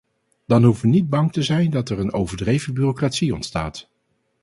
Dan hoeven we niet bang te zijn dat er een overdreven bureaucratie ontstaat.